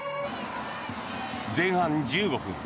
前半１５分。